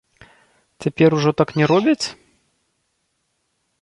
Цяпер ужо так не робяць?